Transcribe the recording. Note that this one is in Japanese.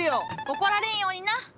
怒られんようにな。